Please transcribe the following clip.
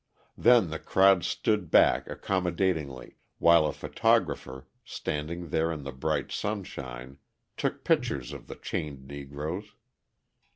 Then the crowd stood back accommodatingly, while a photographer, standing there in the bright sunshine, took pictures of the chained Negroes.